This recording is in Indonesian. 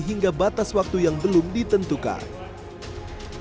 hingga batas waktu yang belum ditentukan